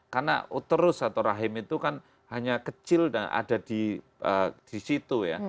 karena uterus atau rahim itu kan hanya kecil dan ada di situ ya